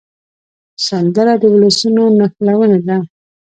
سندره د ولسونو نښلونه ده